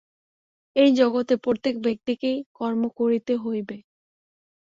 এই জগতে প্রত্যেক ব্যক্তিকেই কর্ম করিতে হইবে।